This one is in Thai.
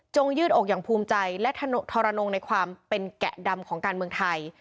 ยืดอกอย่างภูมิใจและทรนงในความเป็นแกะดำของการเมืองไทย